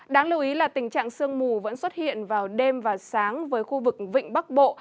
đáng lưu ý là tình trạng sương mù vẫn xuất hiện vào đêm và sáng với khu vực vịnh bắc bộ